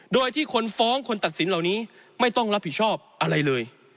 โดยที่คนฟ้องคนตัดสินเหล่านี้ไม่ต้องรับผิดชอบอะไรเลย